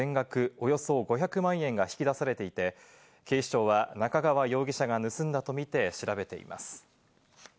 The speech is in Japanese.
およそ５００万円が引き出されていて、警視庁は中川容疑者が盗んだとみて調べています。